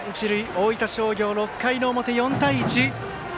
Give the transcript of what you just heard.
大分商業、６回の表、４対１。